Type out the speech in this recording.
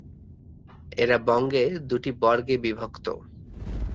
এরা বঙ্গে দুটি বর্গে বিভক্ত।